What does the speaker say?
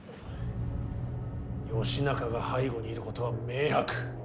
義仲が背後にいることは明白。